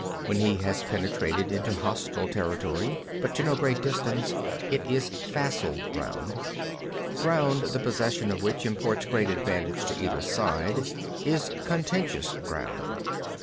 3. When he has penetrated into hostile territory, but to no great distance, it is facile ground. 4. Ground the possession of which imports great advantage to either side, is contentious ground.